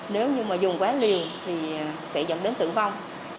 nếu như mà dùng quá liều thì sẽ dẫn đến tử vong